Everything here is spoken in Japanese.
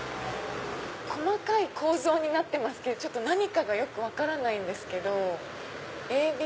細かい構造になってますけど何かがよく分からないです。